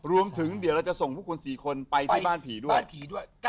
รวมถึงเดี๋ยวเราจะส่งพวกคุณ๔คนไปที่บ้านผีด้วยผีด้วย